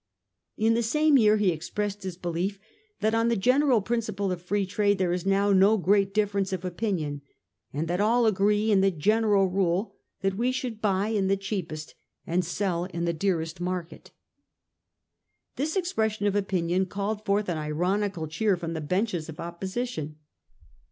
In the same year he expressed his belief that , 1 on the general principle of Free Trade there is now no great difference of opinion, and that all agree in the general rule that we should buy in the cheapest and sell in the dearest market.' This expression of opinion called forth an ironical cheer from the benches of opposition.